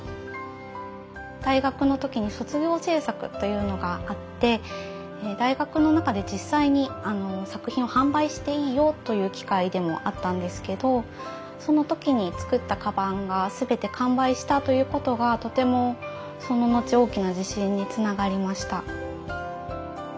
大学の時に卒業制作というのがあって大学の中で実際に作品を販売していいよという機会でもあったんですけどその時に作ったかばんが全て完売したということがとてもそののち大きな自信につながりました。